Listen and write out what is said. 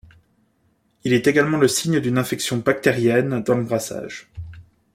Il est également le signe d'une infection bactérienne dans le brassage.